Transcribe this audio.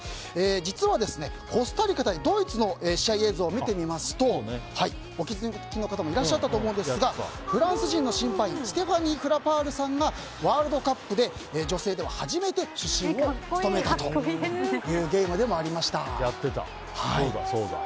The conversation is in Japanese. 実は、コスタリカ対ドイツの試合映像を見てみますとお気づきの方もいらっしゃったと思うんですがフランス人の審判員ステファニー・フラパールさんがワールドカップで女性では初めて主審を務めたというゲームでもありました。